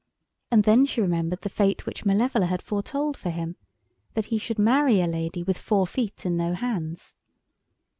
And then she remembered the fate which Malevola had foretold for him—that he should marry a lady with four feet and no hands.